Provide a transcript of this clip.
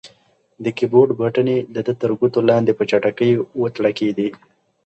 د کیبورډ بټنې د ده تر ګوتو لاندې په چټکۍ وتړکېدې.